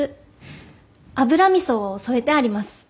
油みそを添えてあります。